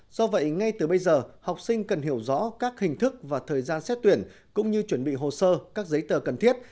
do vậy ngay từ bây giờ học sinh cần hiểu rõ các hình thức và thời gian xét tuyển cũng như chuẩn bị hồ sơ các giấy tờ cần thiết